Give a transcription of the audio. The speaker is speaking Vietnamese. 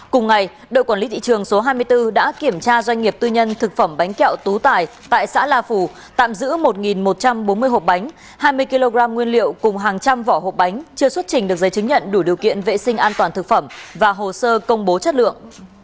cùng ngày đội quản lý thị trường số hai mươi bốn đã kiểm tra doanh nghiệp tư nhân thực phẩm bánh kẹo tú tài tại xã la phù tạm giữ một một trăm bốn mươi hộp bánh hai mươi kg nguyên liệu cùng hàng trăm vỏ hộp bánh chưa xuất trình được giấy chứng nhận đủ điều kiện vệ sinh an toàn thực phẩm và hồ sơ công bố chất lượng